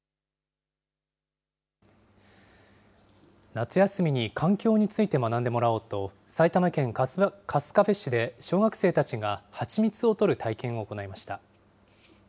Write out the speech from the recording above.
夏休みに環境について学んでもらおうと、埼玉県春日部市で小学生たちが蜂蜜を取る体験を行いました。